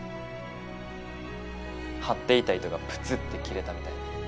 張っていた糸がプツッと切れたみたいに。